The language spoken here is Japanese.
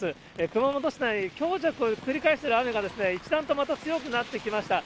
熊本市内、強弱を繰り返している雨が、一段とまた強くなってきました。